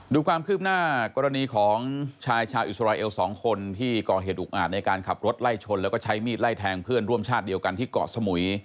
ดูความคืบหน้ากรณีของชายชาวอิสราเอลสองคนที่ก่อเหตุอุกอาจในการขับรถไล่ชนแล้วก็ใช้มีดไล่แทงเพื่อนร่วมชาติเดียวกันที่เกาะสมุย